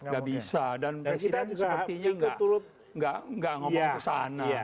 gak bisa dan presiden sepertinya nggak ngomong ke sana